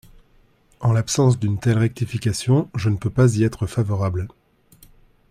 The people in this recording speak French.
» En l’absence d’une telle rectification, je ne peux pas y être favorable.